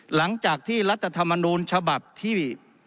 หลังจากที่รัฐธรรมนูญฉบับที่